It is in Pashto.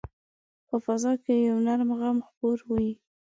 په فضا کې یو نرم غم خپور وي